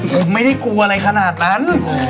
ผมไม่ได้กลัวอะไรขนาดนั้น